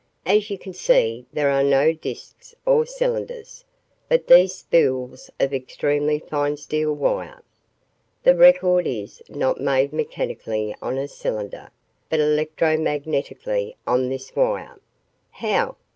"As you can see there are no discs or cylinders, but these spools of extremely fine steel wire. The record is not made mechanically on a cylinder, but electromagnetically on this wire." "How?"